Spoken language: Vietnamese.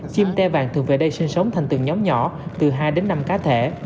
chim tê vàng thường về đây sinh sống thành từng nhóm nhỏ từ hai đến năm cá thể